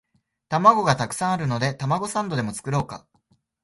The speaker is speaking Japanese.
玉子がたくさんあるのでたまごサンドでも作ろうか